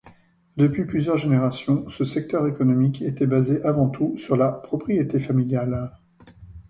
Depuis plusieurs générations, ce secteur économique était basé avant tout sur la propriété familiale.